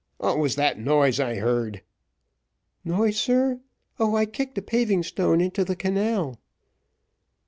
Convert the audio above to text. "What was that noise I heard?" "Noise, sir? Oh, I kicked a paving stone into the canal."